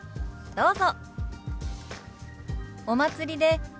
どうぞ。